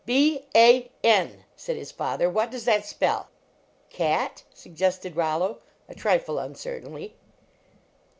"B a n," said his father, "what does that spell? " "Cat?" suggested Rollo, a trifle uncer tainly.